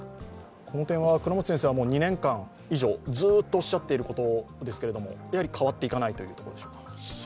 この点は倉持先生は２年間以上ずっとおしゃっていることですけどやはり変わっていかないということでしょうか。